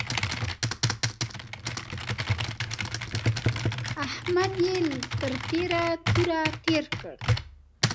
احمد يې تر تېره توره تېر کړ.